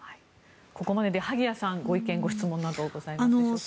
ここまでで萩谷さんご意見・ご質問などございますでしょうか。